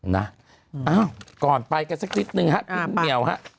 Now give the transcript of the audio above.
เอ้าก่อนไปกันสักนิดหนึ่งครับมีนเมียวครับ